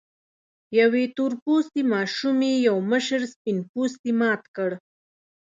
يوې تور پوستې ماشومې يو مشر سپين پوستي مات کړ.